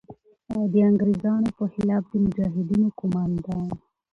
او د انگریزانو په خلاف د مجاهدینو قوماندان